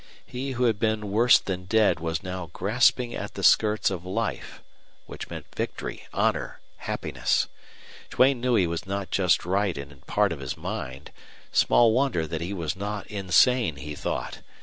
He who had been worse than dead was now grasping at the skirts of life which meant victory, honor, happiness. Duane knew he was not just right in part of his mind. Small wonder that he was not insane, he thought!